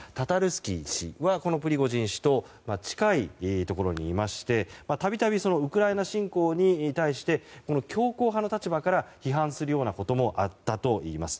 スキー氏はプリゴジン氏と近いところにいましてたびたびウクライナ侵攻に対して強硬派の立場から批判するようなこともあったといいます。